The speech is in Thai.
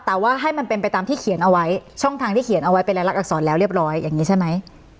แต่ว่าให้มันเป็นไปตามที่เขียนเอาไว้ช่องทางที่เขียนเอาไว้เป็นรายลักษรแล้วเรียบร้อยอย่างนี้ใช่ไหม